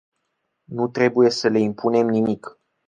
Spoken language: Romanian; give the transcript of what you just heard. Nu trebuie să le impunem nimic.